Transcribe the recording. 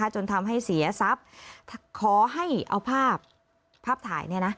จนทำให้เสียทรัพย์ขอให้เอาภาพภาพถ่าย